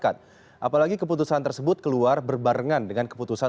tim liputan cnn indonesia